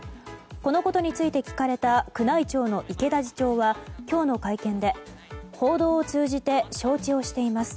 このことについて聞かれた宮内庁の池田次長は今日の会見で報道を通じて承知をしています。